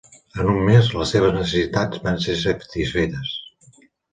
En un mes, les seves necessitats van ser satisfetes.